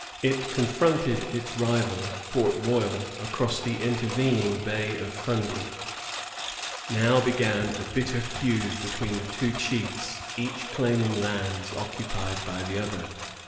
It confronted its rival, Port Royal, across the intervening Bay of Fundy. Now began a bitter feud between the two chiefs, each claiming lands occupied by the other.